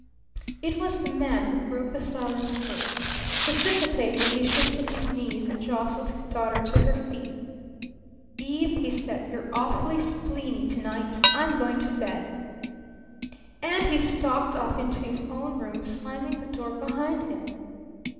It was the man who broke the silence first. Precipitately he shifted his knees and jostled his daughter to her feet. "Eve," he said, "you're awfully spleeny to night! I'm going to bed." And he stalked off into his own room, slamming the door behind him.